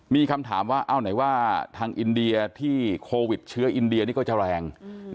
มีคำถามว่าเอ้าไหนว่าทางอินเดียที่โควิดเชื้ออินเดียนี่ก็จะแรง